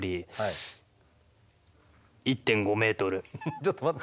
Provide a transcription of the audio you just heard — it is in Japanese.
ちょっと待って。